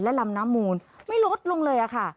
และลำน้ำมูลไม่ลดลงเลยค่ะ